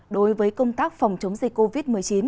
đối với công tác phòng chống dịch covid một mươi chín